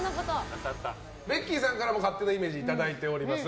ベッキーさんからも勝手なイメージいただいております。